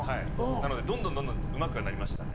なのでどんどんどんどんうまくはなりましたね。